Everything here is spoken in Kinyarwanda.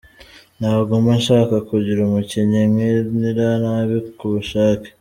"Ntabwo mba nshaka kugira umukinnyi nkinira nabi ku bushake.